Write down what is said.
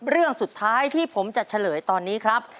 เรื่องสุดท้ายที่ผมจะเฉลยตอนนี้ครับ